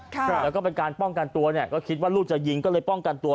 แล้วก็เป็นการป้องกันตัวเนี่ยก็คิดว่าลูกจะยิงก็เลยป้องกันตัว